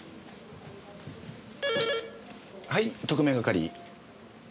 はい特命係。